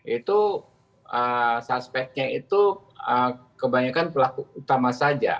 itu suspeknya itu kebanyakan pelaku utama saja